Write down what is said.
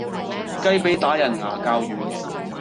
雞脾打人牙較軟